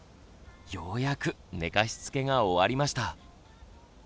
ようやく寝かしつけが終わりました。